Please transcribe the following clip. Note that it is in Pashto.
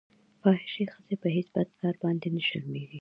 فاحشې ښځې په هېڅ بد کار باندې نه شرمېږي.